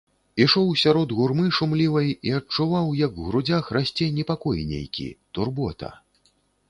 Ішоў сярод гурмы шумлівай і адчуваў, як у грудзях расце непакой нейкі, турбота.